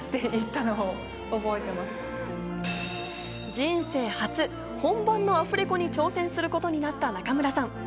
人生初、本番のアフレコに挑戦することになった中村さん。